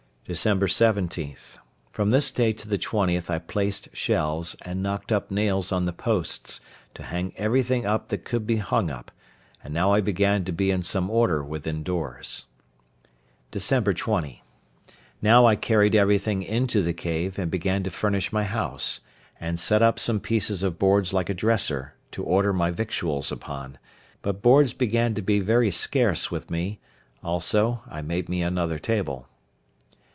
Dec. 17.—From this day to the 20th I placed shelves, and knocked up nails on the posts, to hang everything up that could be hung up; and now I began to be in some order within doors. Dec. 20.—Now I carried everything into the cave, and began to furnish my house, and set up some pieces of boards like a dresser, to order my victuals upon; but boards began to be very scarce with me; also, I made me another table.